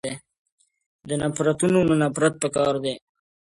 د نفرتونونه نفرت پکار دی.